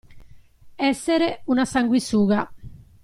Essere una sanguisuga.